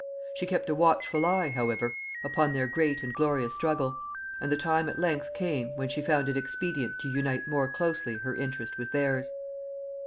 She kept a watchful eye, however, upon their great and glorious struggle; and the time at length came, when she found it expedient to unite more closely her interest with theirs.